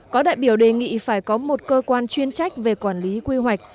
có đại biểu đề nghị phải có một cơ quan chuyên trách về quản lý quy hoạch